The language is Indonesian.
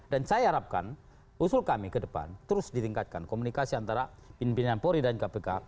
dan saya harapkan usul kami ke depan terus ditingkatkan komunikasi antara pimpinan polri dan kpk